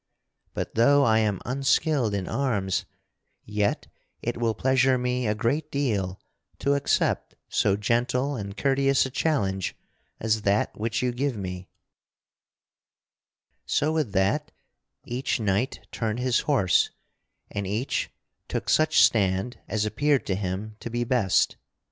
But though I am unskilled in arms, yet it will pleasure me a great deal to accept so gentle and courteous a challenge as that which you give me." [Sidenote: Sir Percival is overthrown by the white knight] So with that each knight turned his horse and each took such stand as appeared to him to be best.